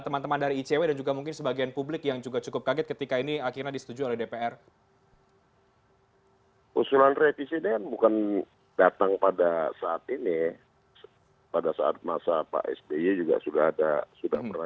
memang betul membuat undang undang